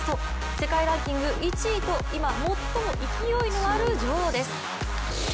世界ランキング１位と、今、最も勢いのある女王です。